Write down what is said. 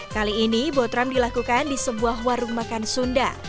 kali ini botram dilakukan di sebuah warung makan sunda